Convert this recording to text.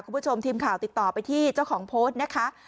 คุณผู้ชมทีมข่าวติดต่อไปที่เจ้าของโพสต์นะคะ